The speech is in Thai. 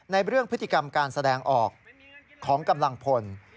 ในเรื่องพฤติกรรมการแสดงออกของกำลังพล